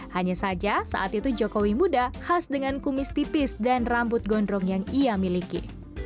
hanya saja saat itu jokowi muda khas dengan kumis tipis dan rambut gondrong yang ia miliki